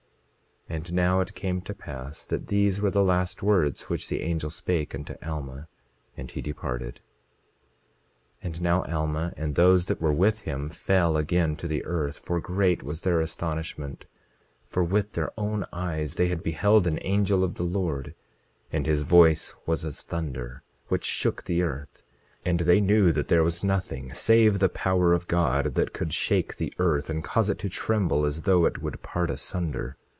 27:17 And now it came to pass that these were the last words which the angel spake unto Alma, and he departed. 27:18 And now Alma and those that were with him fell again to the earth, for great was their astonishment; for with their own eyes they had beheld an angel of the Lord; and his voice was as thunder, which shook the earth; and they knew that there was nothing save the power of God that could shake the earth and cause it to tremble as though it would part asunder.